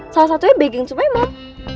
salah satunya begging to my mom